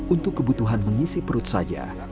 untuk kebutuhan mengisi perut saja